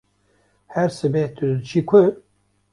Her sibe tu diçî ku?